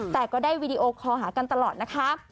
แต่ก็ได้วีดีโอคอลหากันตลอดนะคะ